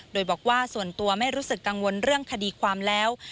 โดยบอกว่าส่วนตัวไม่รู้สึกกังวลเรื่องคดีความแล้ว